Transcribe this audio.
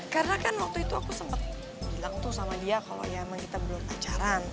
karena kan waktu itu aku sempet bilang tuh sama dia kalo emang kita belum pacaran